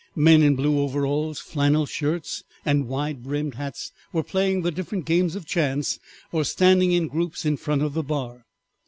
Men in blue overalls, flannel shirts, and wide brimmed hats were playing the different games of chance or standing in groups in front of the bar.